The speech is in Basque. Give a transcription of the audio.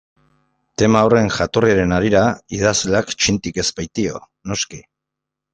Tema horren jatorriaren harira idazleak txintik ez baitio, noski.